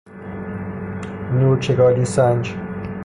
نورچگالی سنج